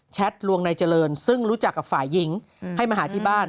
ลวงนายเจริญซึ่งรู้จักกับฝ่ายหญิงให้มาหาที่บ้าน